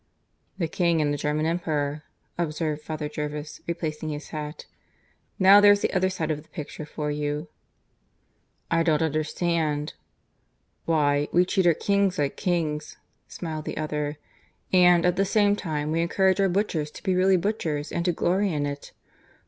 "The King and the German Emperor," observed Father Jervis, replacing his hat. "Now there's the other side of the picture for you." "I don't understand." "Why, we treat our kings like kings," smiled the other. "And, at the same time, we encourage our butchers to be really butchers and to glory in it.